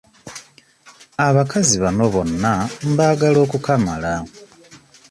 Abakazi bano bonna mbaagala okukamala.